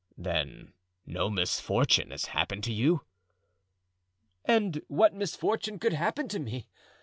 "Then no misfortune has happened to you?" "And what misfortune could happen to me?